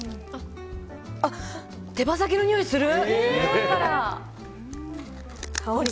あっ、手羽先のにおいする！